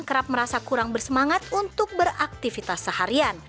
kerap merasa kurang bersemangat untuk beraktivitas seharian